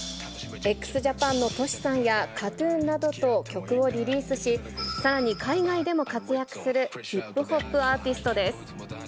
ＸＪＡＰＡＮのＴｏｓｈｌさんや、ＫＡＴ−ＴＵＮなどと曲をリリースし、さらに海外でも活躍するヒップホップアーティストです。